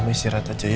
mama isi rat aja ya